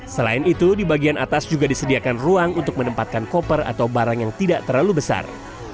selain itu di bagian atas juga disediakan ruang untuk menempatkan koper atau barang yang tidak terlalu besar